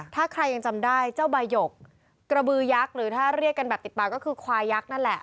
ถ้าใครยังจำได้เจ้าบายกกระบือยักษ์หรือถ้าเรียกกันแบบติดปากก็คือควายยักษ์นั่นแหละ